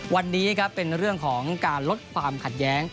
วันนี้ครับเป็นเรื่องของการลดความขัดแย้ง